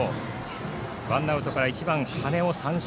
ワンアウトから１番、羽根を三振。